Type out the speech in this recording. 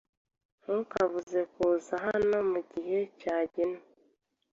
Ntukabuze kuza hano mugihe cyagenwe.